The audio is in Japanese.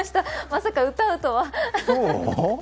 まさか歌うとは。